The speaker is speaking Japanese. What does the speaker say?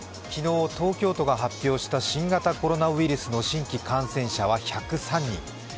昨日、東京都が発表した新型コロナウイルスの新規感染者は１０３人。